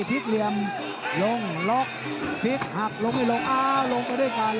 ทิคเหลี่ยมลงล็อคทิคหักลงเลย